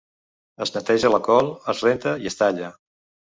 Es neteja la col, es renta i es talla.